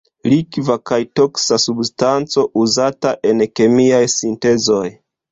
Likva kaj toksa substanco uzata en kemiaj sintezoj.